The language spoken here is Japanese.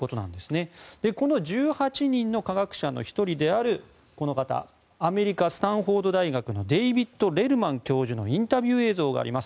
この１８人の科学者の１人であるこの方アメリカ・スタンフォード大学のデイビッド・レルマン教授のインタビュー映像があります。